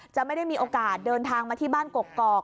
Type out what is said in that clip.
จะไม่ได้มีโอกาสเดินทางมาที่บ้านกกอก